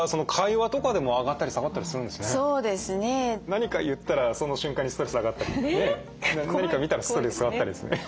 何か言ったらその瞬間にストレス上がったりね何か見たらストレス下がったりですね